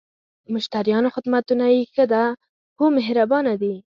د مشتریانو خدمتونه یی ښه ده؟ هو، مهربانه دي